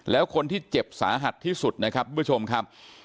แล้วคนที่เจ็บสาหัสที่สุดนะครับทุกผู้ชมครับ